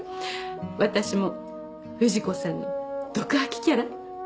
私も富士子さんの毒吐きキャラ？